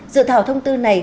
dự thảo thông tư này